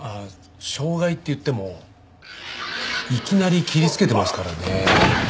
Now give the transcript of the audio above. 傷害っていってもいきなり切りつけてますからね。